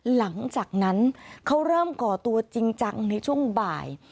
หลังจากนั้นเขาเริ่มก่อตัวจริงจังในช่วงบ่าย